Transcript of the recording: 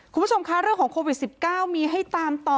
คุณผู้ชมคะเรื่องของโควิด๑๙มีให้ตามต่อ